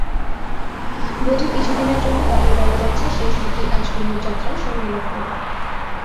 বধূ কিছুদিনের জন্যে বাপের বাড়ি যাচ্ছে সেই সুরটি আজ কুমুর যাত্রার সময় লাগল না।